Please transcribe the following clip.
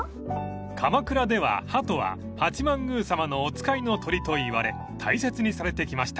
［鎌倉ではハトは「八幡宮様のお使いの鳥」といわれ大切にされてきました］